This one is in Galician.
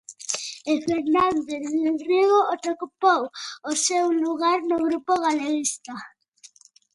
E Fernández del Riego atopou o seu lugar no grupo galeguista.